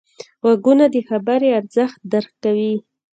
غوږونه د خبرې ارزښت درک کوي